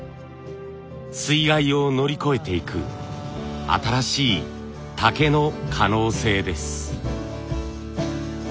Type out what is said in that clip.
水害を乗り越えていく新しい竹の可能性です。